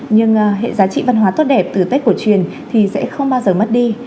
nhưng hệ giá trị văn hóa tốt đẹp từ tết cổ truyền thì sẽ không bao giờ mất đi